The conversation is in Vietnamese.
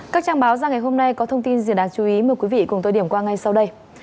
các trang báo ra ngày hôm nay có thông tin gì đáng chú ý mời quý vị cùng tôi điểm qua ngay sau đây